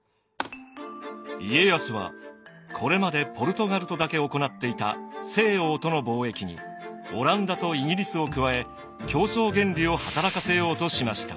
家康はこれまでポルトガルとだけ行っていた西欧との貿易にオランダとイギリスを加え競争原理を働かせようとしました。